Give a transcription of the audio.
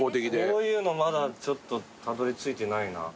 こういうのまだちょっとたどり着いてないな。